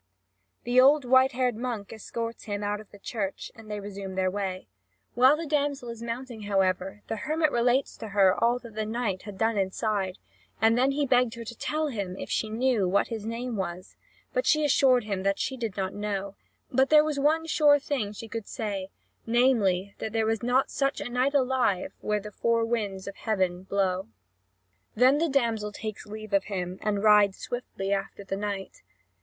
The old white haired monk escorts him out of the church, and they resume their way. While the damsel is mounting, however, the hermit relates to her all that the knight had done inside, and then he begged her to tell him, if she knew, what his name was; but she assured him that she did not know, but that there was one sure thing she could say, namely, that there was not such a knight alive where the four winds of heaven blow. (Vv. 1967 2022.) Then the damsel takes leave of him, and rides swiftly after the knight.